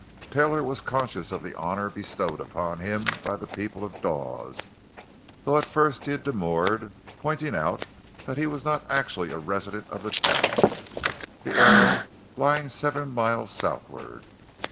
Taylor was conscious of the honor bestowed upon him by the people of Dawes, though at first he had demurred, pointing out that he was not actually a resident of the town—the Arrow lying seven miles southward.